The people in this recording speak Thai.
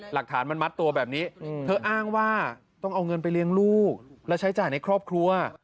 หลักฐานมันมัดตัวแบบนี้เธออ้างว่าต้องเอาเงินไปเลี้ยงลูกและใช้จ่ายในครอบครัว